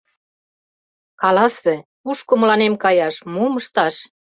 Каласе, кушко мыланем каяш, мом ышташ?